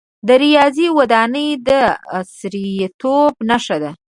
د ریاض ودانۍ د عصریتوب نښه ده.